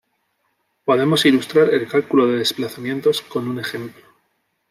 Podemos ilustrar el cálculo de desplazamientos con un ejemplo.